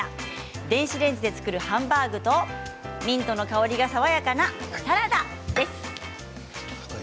電子レンジで作るハンバーグとミントの香りが爽やかなサラダです。